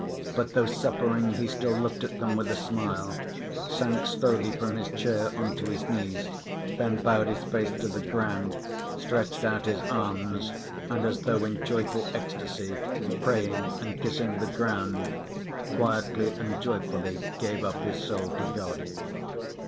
But though suffering, he still looked at them with a smile, sank slowly from his chair on to his knees, then bowed his face to the ground, stretched out his arms and as though in joyful ecstasy, praying and kissing the ground, quietly and joyfully gave up his soul to God.